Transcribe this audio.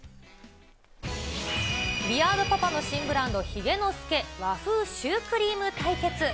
ビアードパパの新ブランド、髭乃助、和風シュークリーム対決。